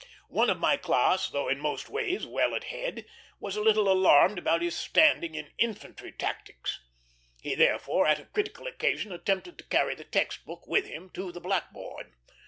One of my class, though in most ways well at head, was a little alarmed about his standing in infantry tactics. He therefore at a critical occasion attempted to carry the text book with him to the blackboard.